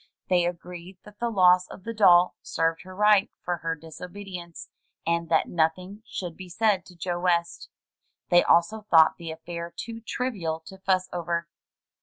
They agreed that the loss of the doll served her right for her disobe dience, and that nothing should be said to Joe West. They also thought the affair too trivial to fuss over.